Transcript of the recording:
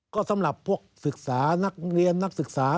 ก็สำหรับพวกศึกษานักเรียนนักศึกษา